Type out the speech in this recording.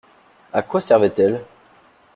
A quoi servait-elle?